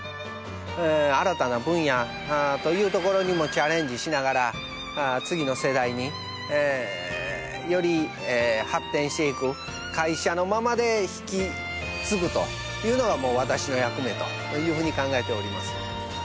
新たな分野というところにもチャレンジしながら次の世代により発展していく会社のままで引き継ぐというのが私の役目というふうに考えております。